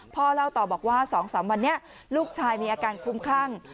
พ่อเล่าต่อบอกว่า๒๓วันนี้ลูกชายมีอาการคุ้มคลั่ง